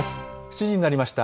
７時になりました。